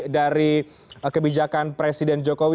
dari kebijakan presiden jokowi